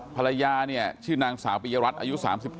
ภรรยาชื่อนางสาวก็แต่รัสอายุ๓๗